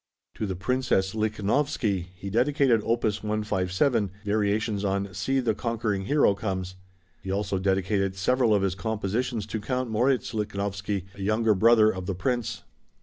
To the Princess Lichnowsky he dedicated opus 157, variations on "See the Conquering Hero Comes." He also dedicated several of his compositions to Count Moritz Lichnowsky, a younger brother of the Prince.